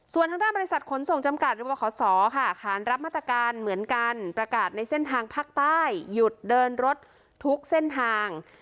ส่วนทางด้านบริษัทขนส่งจำกัดหรือบขศค่ะขานรับมาตรการเหมือนกันประกาศในเส้นทางภาคใต้หยุดเดินรถทุกเส้นทาง